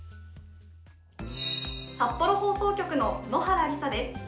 札幌放送局の野原梨沙です。